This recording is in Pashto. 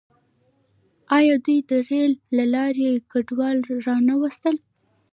آیا دوی د ریل له لارې کډوال را نه وستل؟